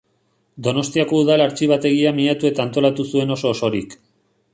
Donostiako udal artxibategia miatu eta antolatu zuen oso-osorik.